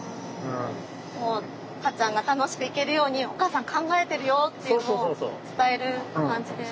もうかっちゃんが楽しく行けるように「お母さん考えてるよ」っていうのを伝える感じで。